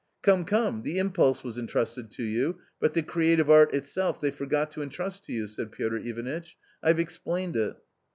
" Come, come, the impulse was entrusted to you, but the creative art itself they forgot to entrust to you," said Piotr Ivanitch. " Fve explained it